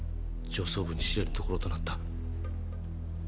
上層部に知れるところとなった。